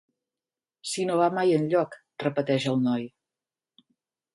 Si no va mai enlloc —repeteix el noi—.